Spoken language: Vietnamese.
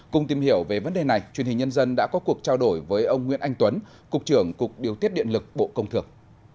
cùng tìm hiểu về vấn đề này truyền hình nhân dân đã có cuộc trao đổi với ông nguyễn anh tuấn cục trưởng cục điều tiết điện lực bộ công thường